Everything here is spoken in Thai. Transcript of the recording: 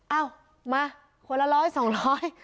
เอ้ามาคนละ๑๐๐๒๐๐